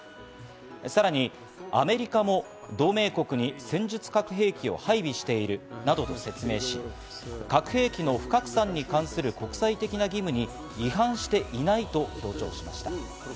さらにアメリカも同盟国に戦術核兵器を配備しているなどと説明し、核兵器の不拡散に関する国際的な義務に違反していないと強調しました。